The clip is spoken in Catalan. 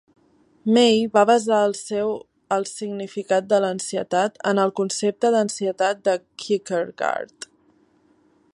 May va basar el seu "El significat de l'ansietat" en "El concepte d'ansietat" de Kierkegaard.